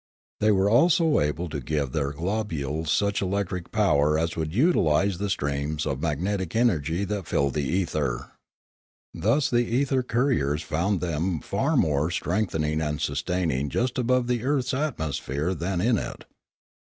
They were also able to give their globules such electric power as would utilise the streams of magnetic energy that filled the ether. Thus the ether couriers found them far more strengthening and sustaining just above the earth's atmosphere than 328 Limanora in it.